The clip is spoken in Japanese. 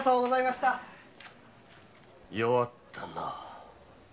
弱ったな。